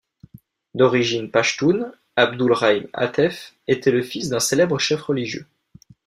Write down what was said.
D'origine pachtoune, Abdul Rahim Hatef était le fils d'un célèbre chef religieux.